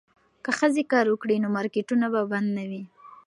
که ښځې کار وکړي نو مارکیټونه به بند نه وي.